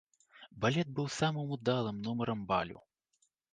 Балет быў самым удалым нумарам балю.